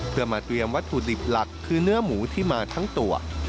เพื่อมาเตรียมวัตถุดิบหลักคือเนื้อหมูที่มาทั้งตัว